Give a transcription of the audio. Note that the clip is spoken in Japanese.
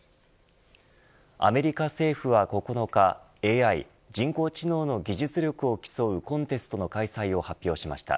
アメリカ政府は９日ＡＩ＝人工知能の技術力を競うコンテストの開催を発表しました。